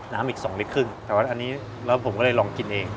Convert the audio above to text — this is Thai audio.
อีก๒ลิตรครึ่งแต่ว่าอันนี้แล้วผมก็เลยลองกินเอง